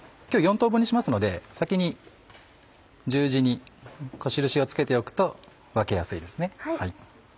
今日４等分にしますので先に十字に印を付けておくと分けやすいですね。